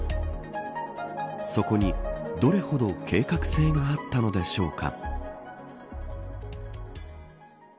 そこに、どれほど計画性があったのでしょうか。